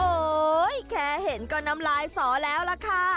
โอ้โหแค่เห็นก็น้ำลายสอแล้วล่ะค่ะ